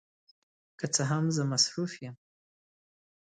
که څه هم، زه مصروف یم.